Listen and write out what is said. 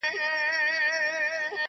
د سبا نری شماله د خدای روی مي دی دروړی.!